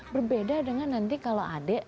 berbeda dengan nanti kalau adik